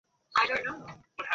সবকিছু ধূম্রজালের মতো!